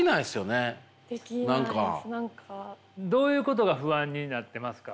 どういうことが不安になってますか？